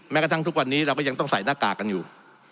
กระทั่งทุกวันนี้เราก็ยังต้องใส่หน้ากากกันอยู่